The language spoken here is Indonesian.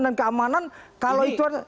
dan keamanan kalau itu